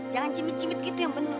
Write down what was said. jangan cimit cimit gitu yang bener dong